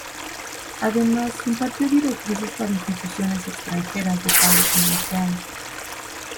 Además impartió directrices para instituciones extranjeras de pago financiado.